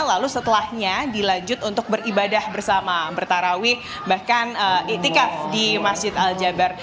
lalu setelahnya dilanjut untuk beribadah bersama bertarawih bahkan itikaf di masjid al jabar